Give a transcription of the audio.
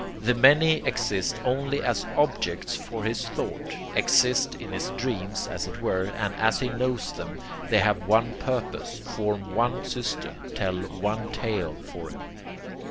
The many exist only as objects for his thought exist in his dream, as it were; and AS HE KNOWS them, they have one purpose, form one system, tell one tale for him.